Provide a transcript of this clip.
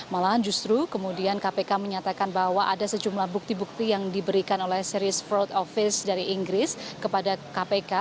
malahan justru kemudian kpk menyatakan bahwa ada sejumlah bukti bukti yang diberikan oleh seri sport office dari inggris kepada kpk